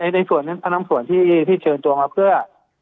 ในส่วนนั้นพนักส่วนที่เชิญตัวมาเพื่อ